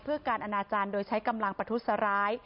เพื่อการอนาจารย์โดยใช้กำลังประทุษร้าย